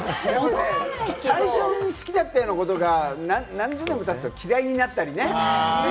最初に好きだったようなことが何年もたつと嫌いになったりね。